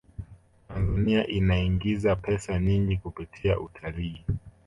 tanzania inaingiza pesa nyingi kupitia utalii